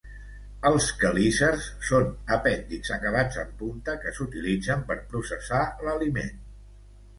Els quelícers són apèndixs acabats en punta que s'utilitzen per processar l'aliment.